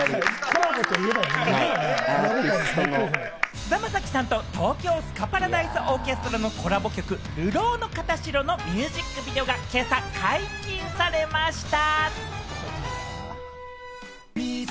菅田将暉さんと東京スカパラダイスオーケストラのコラボ曲『るろうの形代』のミュージックビデオが今朝、解禁されました。